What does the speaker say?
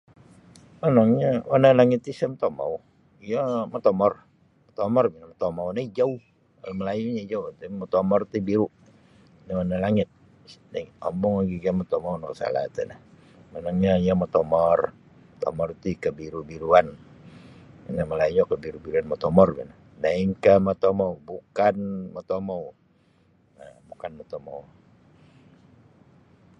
Monongnyo warna langit ti isa motomou iyo motomor motomor bo no motomou no hijau malayunya hijau motomor ti biru da warna langit ombo magagia motomou nakasala ti nio monong iyo motomor motomor ti kabiru-biruan ino malayu kabiru-biruan motomor bo no lainkah motomou bukan motomou um bukan motomou.